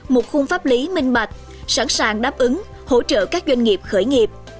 một khung pháp lý minh bạch sẵn sàng đáp ứng hỗ trợ các doanh nghiệp khởi nghiệp